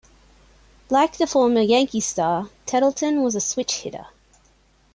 Like the former Yankee star, Tettleton was a switch hitter.